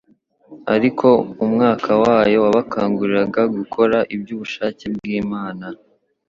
ariko Umwuka wayo wabakanguriraga gukora iby'ubushake bw'Imana